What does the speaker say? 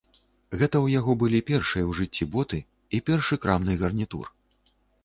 Гэта ў яго былі першыя ў жыцці боты і першы крамны гарнітур.